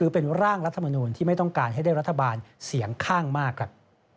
เป็นร่างรัฐมนูลที่ไม่ต้องการให้ได้รัฐบาลเสียงข้างมากครับ